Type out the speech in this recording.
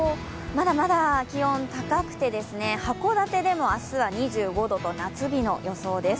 まだまだ気温高くて、函館でも明日は２５度と夏日の予想です。